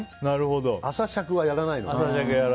朝酌はやらない。